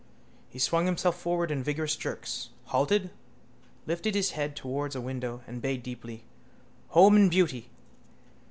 He swung himself forward in vigorous jerks, halted, lifted his head towards a window and bayed deeply: —_home and beauty.